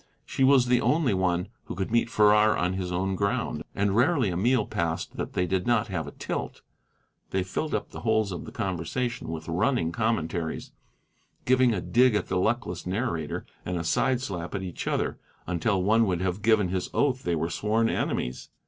She was the only one who could meet Farrar on his own ground, and rarely a meal passed that they did not have a tilt. They filled up the holes of the conversation with running commentaries, giving a dig at the luckless narrator and a side slap at each other, until one would have given his oath they were sworn enemies.